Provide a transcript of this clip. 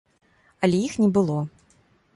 Але іх не было.